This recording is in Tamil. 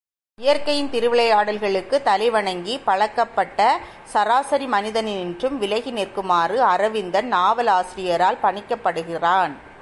இயற்கையின் திருவிளையாடல்களுக்குத் தலைவணங்கிப் பழக்கப்பட்ட சராசரி மனித னினின்றும் விலகி நிற்குமாறு அரவிந்தன் நாவலாசிரியரால் பணிக்கப்படுகிறான்.